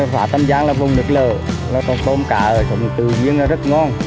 phá tâm giang là vùng nước lửa con cốm cá ở trong tự nhiên là rất ngon